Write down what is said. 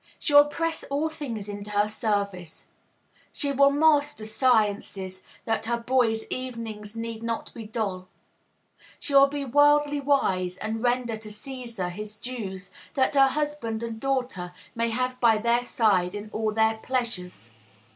She will press all things into her service. She will master sciences, that her boys' evenings need not be dull. She will be worldly wise, and render to Caesar his dues, that her husband and daughters may have her by their side in all their pleasures.